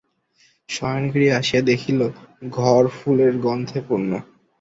শয়নগৃহে আসিয়া দেখিল, ঘর ফুলের গন্ধে পূর্ণ।